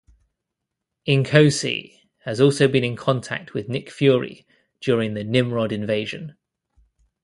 Inkosi has also been in contact with Nick Fury, during the Nimrod invasion.